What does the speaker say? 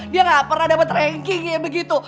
dia gak pernah dapet rankingnya begitu